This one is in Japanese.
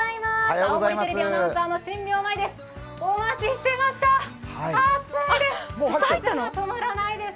青森テレビアナウンサーの新名真愛です。